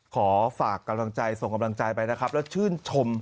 ขอฝากกำลังใจส่งกำลังใจไปนะครับแล้วชื่นชม